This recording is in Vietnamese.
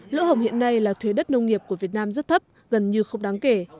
lỗ hồng hiện nay là thuế đất nông nghiệp của việt nam rất thấp gần như không đáng kể